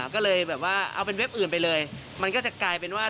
ก็เลยแบบว่าเอาเป็นเว็บอื่นไปเลยมันก็จะกลายเป็นว่า